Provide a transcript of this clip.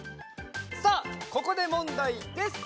さあここでもんだいです！